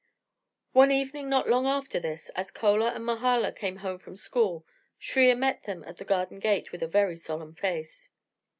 One evening, not long after this, as Chola and Mahala came home from school, Shriya met them at the garden gate with a very solemn face.